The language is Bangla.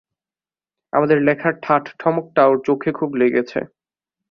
আমার লেখার ঠাট-ঠমকটা ওর চোখে খুব লেগেছে।